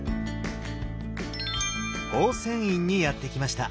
宝泉院にやって来ました。